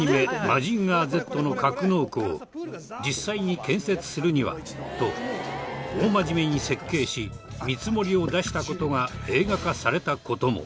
『マジンガーＺ』の格納庫を実際に建設するにはと大真面目に設計し見積もりを出した事が映画化された事も。